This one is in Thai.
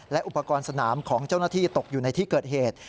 และอุปกรณ์สนามของเจ้าหน้าที่ตกอยู่ในที่เกิดเหตุ